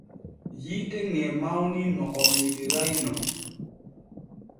Yiite ŋe mawni no o miiliray no.